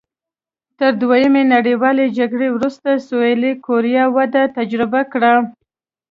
تر دویمې نړیوالې جګړې وروسته سوېلي کوریا وده تجربه کړه.